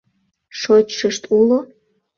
— Шочшышт уло?